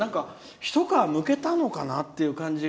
一皮むけたのかなっていう感じが。